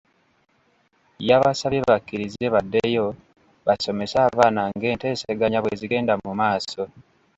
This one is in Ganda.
Yabasabye bakkirize baddeyo basomese abaana ng'enteeseganya bwe zigenda mu maaso.